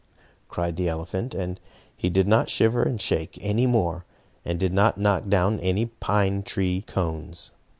cried the elephant, and he did not shiver and shake any more, and did not knock down any pine tree cones.